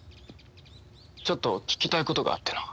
ちょっと聞きたいことがあってな。